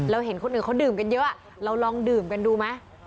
เห็นคนอื่นเขาดื่มกันเยอะเราลองดื่มกันดูไหม